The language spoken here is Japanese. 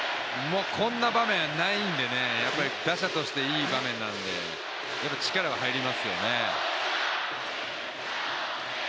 こんな場面ないんでね、打者としていい場面なのでやっぱり、力が入りますよね。